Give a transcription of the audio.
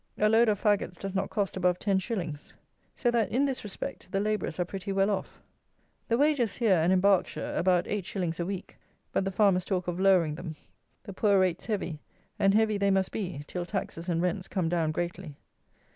A load of fagots does not cost above 10_s._ So that, in this respect, the labourers are pretty well off. The wages here and in Berkshire, about 8_s._ a week; but the farmers talk of lowering them. The poor rates heavy, and heavy they must be, till taxes and rents come down greatly.